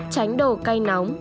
tránh đồ cay nóng